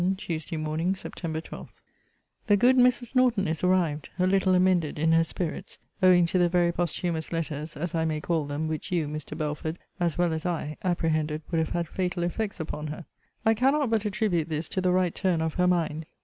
] TUESDAY MORNING, SEPT. 12. The good Mrs. Norton is arrived, a little amended in her spirits; owing to the very posthumous letters, as I may call them, which you, Mr. Belford, as well as I, apprehended would have had fatal effects upon her. I cannot but attribute this to the right turn of her mind.